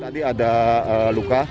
tadi ada luka